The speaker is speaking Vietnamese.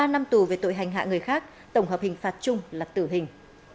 ba năm tù về tội hành hạ người khác tổng hợp hình phạt chung là tử hình